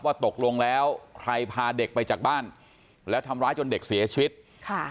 ว่าตกลงแล้วใครพาเด็กไปจากบ้านแล้วทำร้ายจนเด็กเสียชีวิตค่ะ